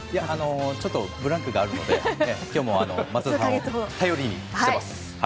ちょっとブランクがあるので今日も松田さんを頼りにしてます。